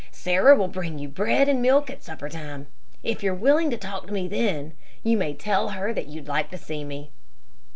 Sarah will bring you bread and milk at supper time. If you're willing to talk to me then, you may tell her that you'd like to see me."